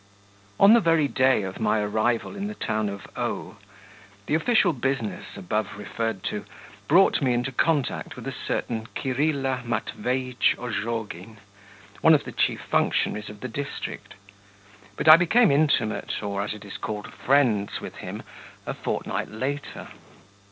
On the very day of my arrival in the town of O , the official business, above referred to, brought me into contact with a certain Kirilla Matveitch Ozhogin, one of the chief functionaries of the district; but I became intimate, or, as it is called, 'friends' with him a fortnight later.